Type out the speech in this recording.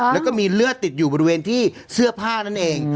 แล้วก็มีเลือดติดอยู่บริเวณที่เสื้อผ้านั่นเอง